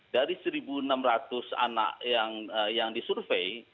dari seribu enam ratus anak yang disurvei